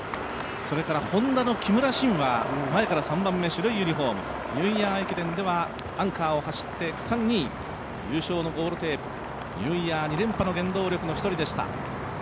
Ｈｏｎｄａの木村慎は前から３番目、白いユニフォームニューイヤー駅伝ではアンカーを走って区間２位、優勝のゴールテープ、ニューイヤー原動力の１人でした。